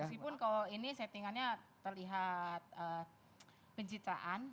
meskipun kalau ini settingannya terlihat penciptaan